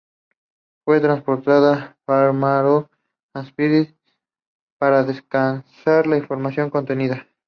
Fue transportada a Farnborough, Hampshire, para descargar la información contenida.